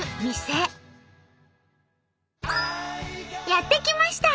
やって来ました！